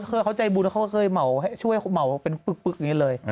เคยเขาใจบุญแล้วเขาก็เคยเหมาช่วยเหมาเป็นปึ๊กอย่างนี้เลย